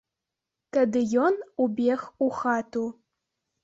Тады ён убег у хату.